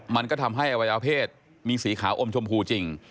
มันก็ทำให้อวัยวเพศมีสีขาวอมชมพูจริง